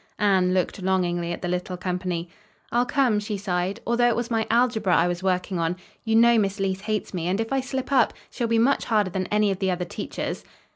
Anne looked longingly at the little company. "I'll come," she sighed, "although it was my algebra I was working on. You know Miss Leece hates me, and, if I slip up, she'll be much harder than any of the other teachers."